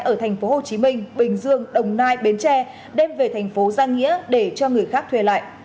ở thành phố hồ chí minh bình dương đồng nai bến tre đem về thành phố giang nghĩa để cho người khác thuê lại